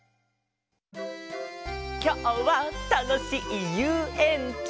きょうはたのしいゆうえんち！